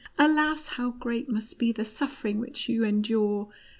Alas, how great must be the suffering which you endure